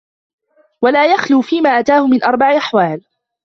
وَلَا يَخْلُو فِيمَا أَتَاهُ مِنْ أَرْبَعِ أَحْوَالٍ